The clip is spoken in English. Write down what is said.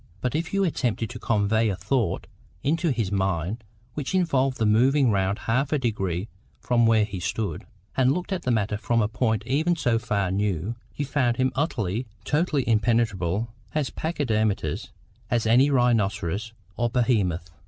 But if you attempted to convey a thought into his mind which involved the moving round half a degree from where he stood, and looking at the matter from a point even so far new, you found him utterly, totally impenetrable, as pachydermatous as any rhinoceros or behemoth.